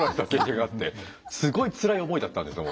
すごいつらい思いだったんですよ。